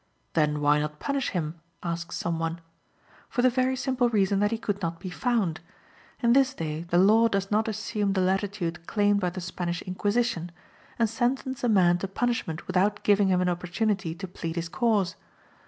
"Then why not punish him?" asks some one. For the very simple reason that he could not be found. In this day the law does not assume the latitude claimed by the Spanish Inquisition, and sentence a man to punishment without giving him an opportunity to plead his cause.